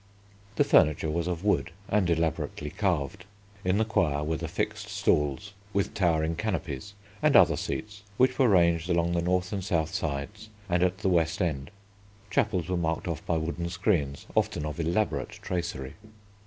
The furniture was of wood and elaborately carved. In the Choir were the fixed stalls with towering canopies, and other seats, which were ranged along the north and south sides and at the west end. Chapels were marked off by wooden screens, often of elaborate tracery.